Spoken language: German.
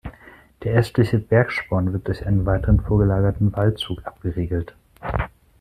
Der östliche Bergsporn wird durch einen weiteren vorgelagerten Wallzug abgeriegelt.